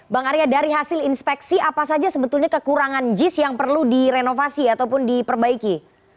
bang arya dari hasil inspeksi apa saja sebetulnya kekurangan jis yang perlu direnovasi ataupun diperbaiki